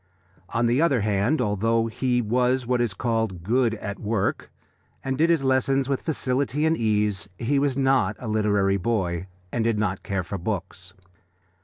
On the other hand, although he was what is called "good at work," and did his lessons with facility and ease, he was not a literary boy, and did not care for books.